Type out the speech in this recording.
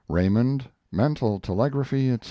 RAYMOND, MENTAL TELEGRAPHY, ETC.